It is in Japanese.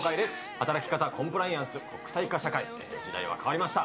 働き方、コンプライアンス、国際化社会、時代は変わりました。